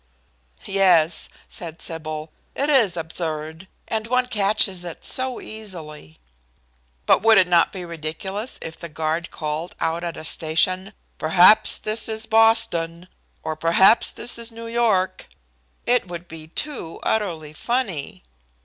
"Yes," said Sybil, "it is absurd, and one catches it so easily." "But would it not be ridiculous if the guard called out at a station, 'Perhaps this is Boston!' or 'Perhaps this is New York?' It would be too utterly funny."